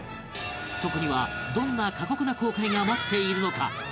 そこにはどんな過酷な航海が待っているのか？